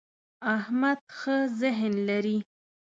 احمد ښه ذهن لري.